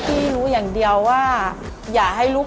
การที่บูชาเทพสามองค์มันทำให้ร้านประสบความสำเร็จ